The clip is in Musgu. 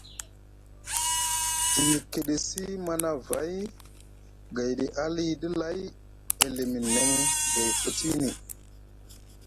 Te yikitisi Manavay gaiɗi aliɗi lay e limi neŋ gay futini.